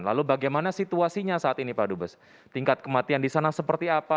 lalu bagaimana situasinya saat ini pak dubes tingkat kematian di sana seperti apa